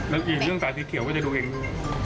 แล้วอีกเรื่องสาธิตเขียวว่าจะดูเองหรือ